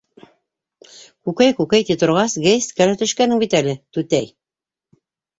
Күкәй, күкәй ти торғас, гәзиткә лә төшкәнһең бит әле, түтәй!